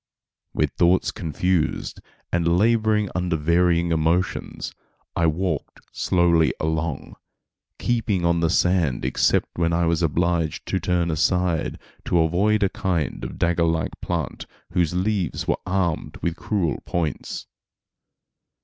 With thoughts confused, and laboring under varying emotions, I walked slowly along, keeping on the sand except when I was obliged to turn aside to avoid a kind of dagger like plant whose leaves were armed with cruel points.